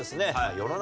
世の中